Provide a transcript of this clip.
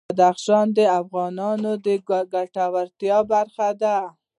بدخشان د افغانانو د ګټورتیا برخه ده.